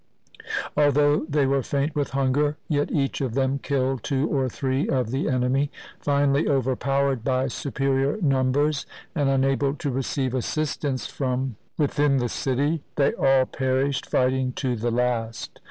Although they were faint with hunger, yet each of them killed two or three of the enemy. Finally overpowered by superior numbers, and unable to receive assistance from LIFE OF GURU GOBIND SINGH 177 within the city, they all perished fighting to the last.